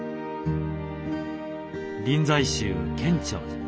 臨済宗建長寺。